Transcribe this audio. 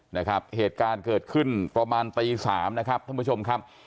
นะครับเหตุการณ์เกิดขึ้นประมาณตีสามนะครับท่านผู้ชมครับ